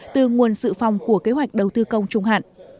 từ nguồn dự phòng của kế hoạch đầu tư công trung hạn